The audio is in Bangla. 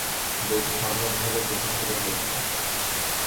বইটি সাধারণভাবে প্রশংসিত হয়েছে।